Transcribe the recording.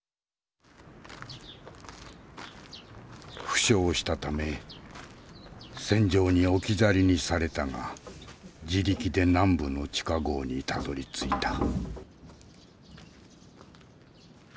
負傷したため戦場に置き去りにされたが自力で南部の地下壕にたどりついた。